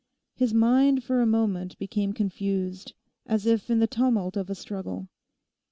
His mind for a moment became confused as if in the tumult of a struggle.